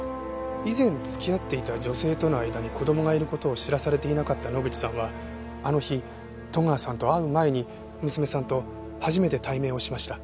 以前付き合っていた女性との間に子供がいる事を知らされていなかった野口さんはあの日戸川さんと会う前に娘さんと初めて対面をしました。